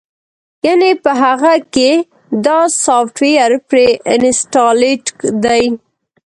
يعنې پۀ هغۀ کښې دا سافټوېر پري انسټالډ دے